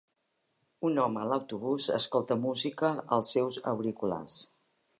Un home a l'autobús escolta música els seus auriculars.